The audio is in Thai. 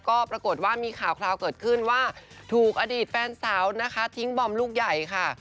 ก็ปรากฏว่ามีข่าวคราวเกิดขึ้นว่าถูกอดีตแฟนสาวนะคะทิ้งบอมลูกใหญ่ค่ะ